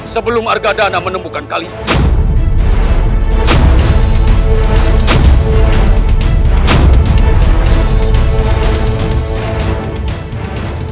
sebelum argadana menemukan kalian